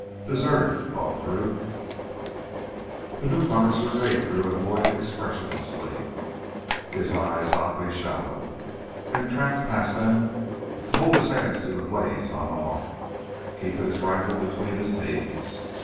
Deserter, thought Drew. The newcomer surveyed Drew and Boyd expressionlessly, his eyes oddly shallow, and tramped past them to hold his hands to the blaze on the hearth, keeping his rifle between his knees.